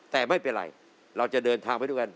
แต่ไม่เป็นไรเราจะเดินทางไปด้วยกัน